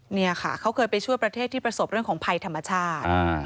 เนี่ยค่ะเขาเคยไปช่วยประเทศที่ประสบเรื่องของภัยธรรมชาติ